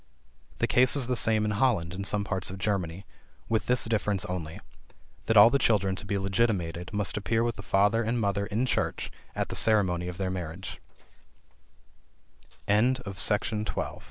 The case is the same in Holland and some parts of Germany; with this difference only, that all the children to be legitimated must appear with the father and mother in church at the ceremony of their marriage. FEMALE FRIENDSHIP.